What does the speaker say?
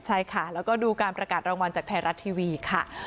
ใช่ค่ะแล้วก็ดูการประกาศรางวัลจากไทยรัฐทีวีค่ะ